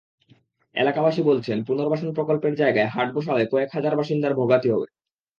এলাকাবাসী বলছেন, পুনর্বাসন প্রকল্পের জায়গায় হাট বসালে কয়েক হাজার বাসিন্দার ভোগান্তি হবে।